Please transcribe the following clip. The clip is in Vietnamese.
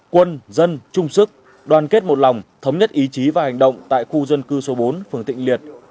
quân dân trung sức đoàn kết một lòng thống nhất ý chí và hành động tại khu dân cư số bốn phường tịnh liệt